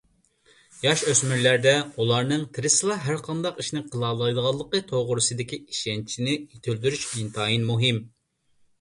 ياش-ئۆسمۈرلەردە ئۇلارنىڭ تىرىشسىلا ھەرقانداق ئىشنى قىلالايدىغانلىقى توغرىسىدىكى ئىشەنچىنى يېتىلدۈرۈش ئىنتايىن مۇھىم.